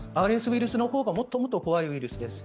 ＲＳウイルスの方がもっともっと怖いウイルスです。